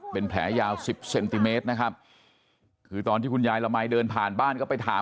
เป็นแผลยาวสิบเซนติเมตรนะครับคือตอนที่คุณยายละมัยเดินผ่านบ้านก็ไปถาม